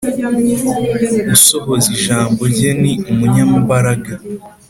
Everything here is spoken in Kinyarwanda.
Usohoza ijambo rye ni umunyambaraga